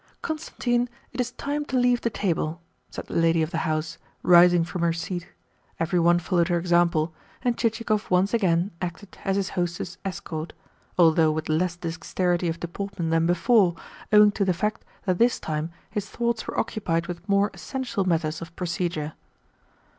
"Constantine, it is time to leave the table," said the lady of the house, rising from her seat. Every one followed her example, and Chichikov once again acted as his hostess's escort although with less dexterity of deportment than before, owing to the fact that this time his thoughts were occupied with more essential matters of procedure.